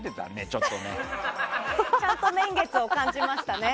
ちゃんと年月を感じましたね